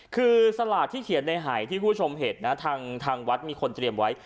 คือสลากที่เขียนในหายที่คุณผู้ชมเห็นนะทางวัดมีคนเตรียมไว้